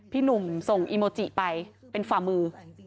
พี่หนุ่มส่งอีโมจิไปเป็นฝ่ามือ